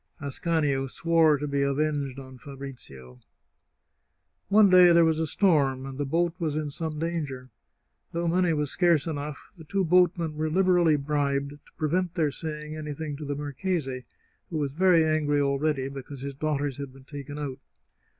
Ascanio swore to be avenged on Fabrizio. One day there was a storm, and the boat was in some danger. Though money was scarce enough, the two boat men were Hberally bribed to prevent their saying anything to the marchese, who was very angry already because his daughters had been taken out.